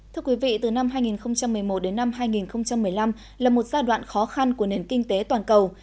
thưa quý vị từ năm hai nghìn một mươi một đến năm hai nghìn một mươi năm là một giai đoạn khó khăn của nền kinh tế toàn cầu